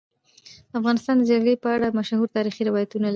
افغانستان د جلګه په اړه مشهور تاریخی روایتونه لري.